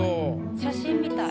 写真みたい。